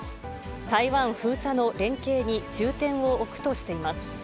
台湾封鎖の連携に重点を置くとしています。